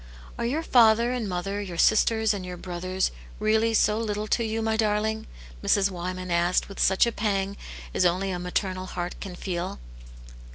"Are your father and mother, your sisters and your brothers, really so little to you, my darling ?'* Mrs. Wyman asked, with such a pang as only a maternal heart can feel.